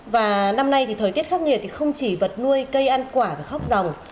và năm nay thì thời tiết khắc nghiệt thì không chỉ vật nuôi cây ăn quả và khóc dòng